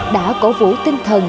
đã cổ vũ tinh thần